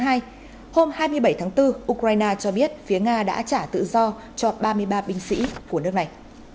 hôm hai mươi bảy tháng bốn ukraine cho biết phía nga đã trả tự do cho ba mươi ba binh sĩ của nước này